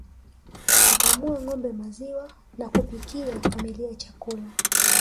Kukamua ngombe maziwa na kupikia familia chakula